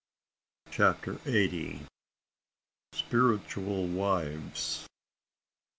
CHAPTER EIGHTY. SPIRITUAL WIVES.